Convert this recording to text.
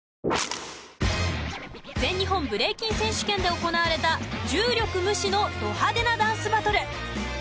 全日本ブレイキン選手権で行われた重力無視のど派手なダンスバトル。